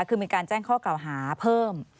คือมีการแจ้งข้อเก่าหาเพิ่ม